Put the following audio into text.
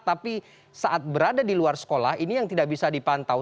tapi saat berada di luar sekolah ini yang tidak bisa dipantau